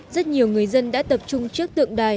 rất nhiều người dân đã tập trung trước tượng đài